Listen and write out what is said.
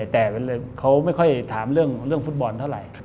แต่เขาไม่ค่อยถามเรื่องฟุตบอลเท่าไหร่